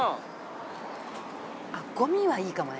あっゴミはいいかもね。